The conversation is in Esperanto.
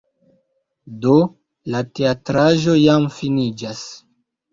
Do, la teatraĵo jam finiĝas